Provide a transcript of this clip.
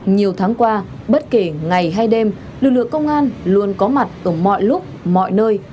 nhiều tháng qua bất kể ngày hay đêm lực lượng công an luôn có mặt ở mọi lúc mọi nơi